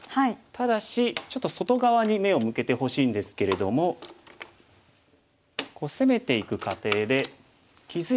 ただしちょっと外側に目を向けてほしいんですけれども。攻めていく過程で気付いた時には